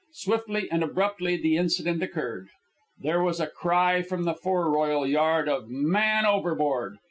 Swiftly and abruptly the incident occurred. There was a cry from the foreroyal yard of "Man overboard!"